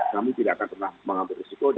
kami tidak akan pernah mengambil risiko